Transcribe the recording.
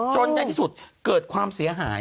ในที่สุดเกิดความเสียหาย